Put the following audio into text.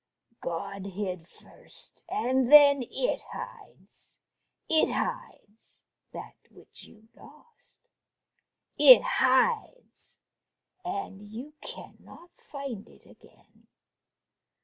God hid first, and then It hides.... It hides, that which you lost It hides, and you can not find It again.